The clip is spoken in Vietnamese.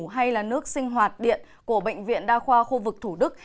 hay là nước sinh hoạt điện của bệnh viện đa khoa khu vực thủ đức